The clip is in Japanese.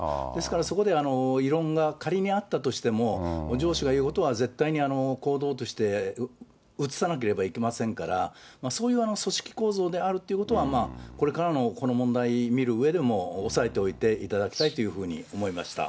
ですからそこでは異論が仮にあったとしても、上司が言うことは絶対に行動として移さなければいけませんから、そういう組織構造であるということは、これからのこの問題見るうえでも、おさえておいていただきたいというふうに思いました。